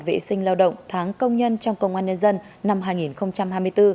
vệ sinh lao động tháng công nhân trong công an nhân dân năm hai nghìn hai mươi bốn